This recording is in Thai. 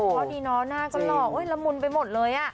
เพราะดีเนาะหน้าก็หล่อละมุนไปหมดเลย